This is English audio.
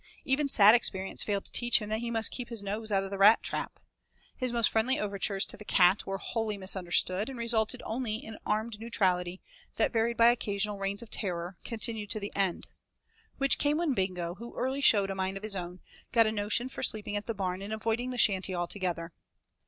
Even sad experience failed to teach him that he must keep his nose out of the rat trap. His most friendly overtures to the cat were wholly misunderstood and resulted only in an armed neutrality that varied by occasional reigns of terror, continued to the end; which came when Bingo, who early showed a mind of his own, got a notion for sleeping at the barn and avoiding the shanty altogether.